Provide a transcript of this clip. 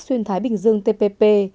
xuyên thái bình dương tpp